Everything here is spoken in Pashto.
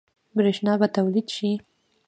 برښنا به تولید شي؟